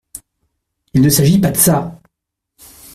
Il ne s’agit pas de ça !…